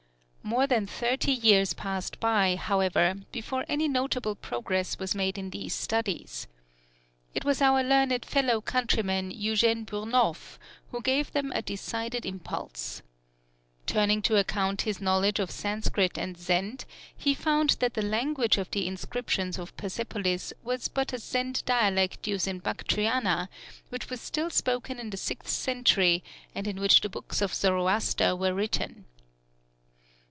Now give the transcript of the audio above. More than thirty years passed by, however, before any notable progress was made in these studies. It was our learned fellow countryman Eugène Burnouf who gave them a decided impulse. Turning to account his knowledge of Sanskrit and Zend, he found that the language of the inscriptions of Persepolis was but a Zend dialect used in Bactriana, which was still spoken in the sixth century B.C., and in which the books of Zoroaster were written.